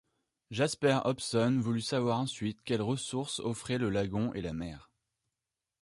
Jasper Hobson voulut savoir ensuite quelles ressources offraient le lagon et la mer.